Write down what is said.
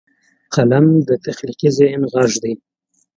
قلم د تخلیقي ذهن غږ دی